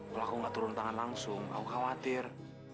kalau aku nggak turun tangan langsung aku khawatir